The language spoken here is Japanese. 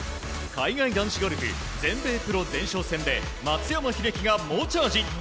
海外男子ゴルフ全米プロ前哨戦で松山英樹が猛チャージ。